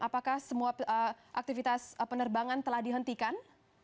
apakah semua aktivitas penerbangan telah dihentikan